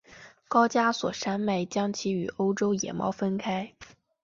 高加索山脉将其与欧洲野猫分开。